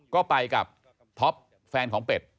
ก็ไปกับท็อปแฟนของเป็ด